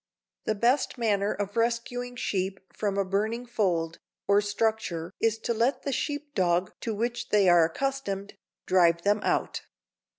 The best manner of rescuing sheep from a burning fold or structure is to let the sheep dog to which they are accustomed, drive them out.